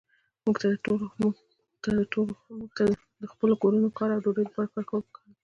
موږ ته د خپلو کورونو، کار او ډوډۍ لپاره کار کول پکار دي.